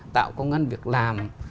tạo công an việc làm